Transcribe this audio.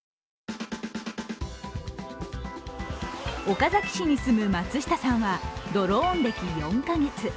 岡崎市に住む松下さんはドローン歴４カ月。